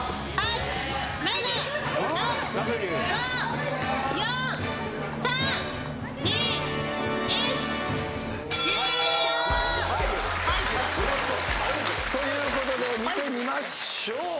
６・５・４・３・２・１。ということで見てみましょう。